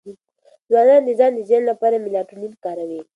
ځوانان د ځان د زیان لپاره میلاټونین کاروي.